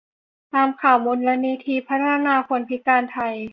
ตามข่าว มูลนิธิพัฒนาคนพิการไทย